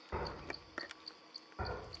মুসলমান নাম হলেও সাধু হিন্দু ব্রাহ্মণ।